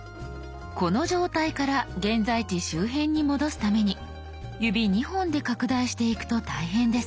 この状態から現在地周辺に戻すために指２本で拡大していくと大変です。